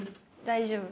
大丈夫？